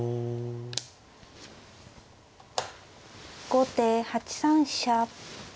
後手８三飛車。